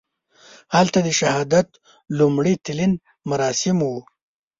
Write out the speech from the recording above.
هلته د شهادت لومړي تلین مراسم وو.